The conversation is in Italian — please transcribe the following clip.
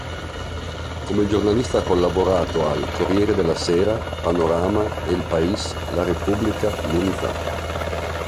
Come giornalista ha collaborato al "Corriere della Sera", "Panorama", "El País", "La Repubblica", "l'Unità".